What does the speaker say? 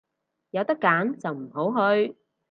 有得揀就唔好去